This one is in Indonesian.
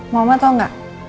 mama tau nggak